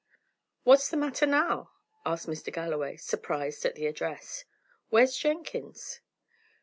"What's the matter now?" asked Mr. Galloway, surprised at the address. "Where's Jenkins?"